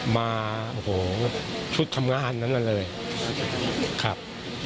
มาโอ้โหชุดทำงานนั้นเลยครับ